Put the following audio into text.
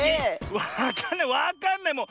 わかんないわかんないもう。